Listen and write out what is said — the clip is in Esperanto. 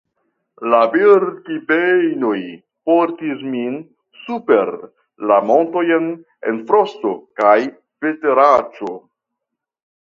La Birkibejnoj portis min super la montojn en frosto kaj veteraĉo.